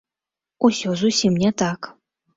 Усе зусім не так.